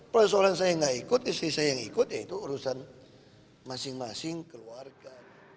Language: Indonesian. presolan saya gak ikut istri saya yang ikut yaitu urusan masing masing keluarga